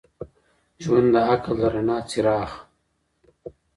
ژوند د عقل د رڼا څراغ